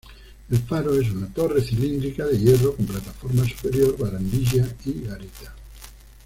El faro es una torre cilíndrica de hierro con plataforma superior, barandilla y garita.